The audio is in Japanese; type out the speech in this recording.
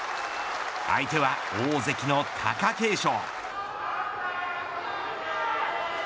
相手は大関の貴景勝。